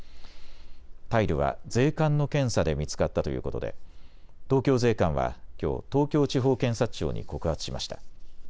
タイルは税関の検査で見つかったということで東京税関はきょう東京地方検察庁に告発しました。